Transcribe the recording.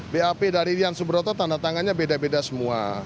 bap dari rian subroto tanda tangannya beda beda semua